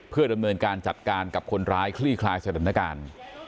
เพื่อดำเนินการจัดการกับคนร้ายคลี่คลายสถานการณ์